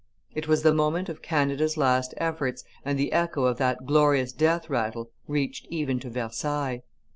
It was the moment of Canada's last efforts, and the echo of that glorious death rattle reached even to Versailles.